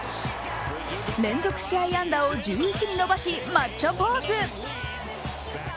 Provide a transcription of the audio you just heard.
連続試合安打を１１に伸ばしマッチョポーズ。